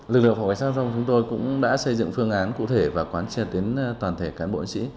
lực lượng phòng quản sát rong chúng tôi cũng đã xây dựng phương án cụ thể và quan trọng đến toàn thể cán bộ an sĩ